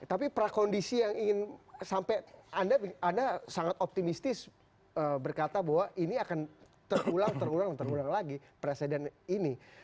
tapi prakondisi yang ingin sampai anda sangat optimistis berkata bahwa ini akan terulang terulang dan terulang lagi presiden ini